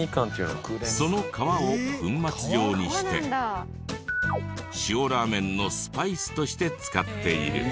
その皮を粉末状にして塩ラーメンのスパイスとして使っている。